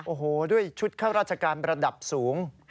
โอ้โหด้วยชุดข้าราชการระดับสูง